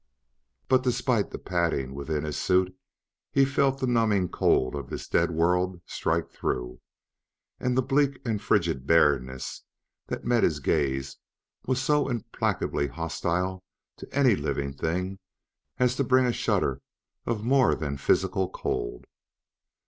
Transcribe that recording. But, despite the padding within his suit, he felt the numbing cold of this dead world strike through. And the bleak and frigid barrenness that met his gaze was so implacably hostile to any living thing as to bring a shudder of more than physical cold.